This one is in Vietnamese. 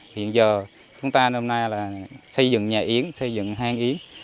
hiện giờ chúng ta hôm nay xây dựng nhà yến xây dựng hang yến